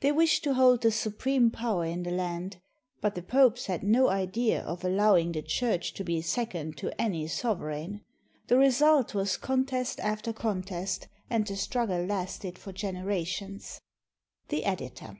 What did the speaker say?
They wished to hold the supreme power in the land; but the Popes had no idea of allowing the Church to be second to any sovereign. The result was contest after contest, and the struggle lasted for generations. The Editor.